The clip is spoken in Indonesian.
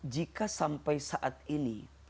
jika sampai saat ini